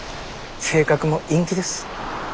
性格も陰気です。